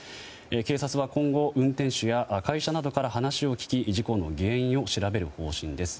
警察は今後、運転手や会社などから話を聞き事故の原因を調べる方針です。